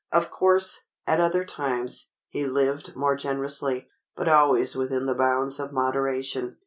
Of course, at other times, he lived more generously, but always within the bounds of moderation.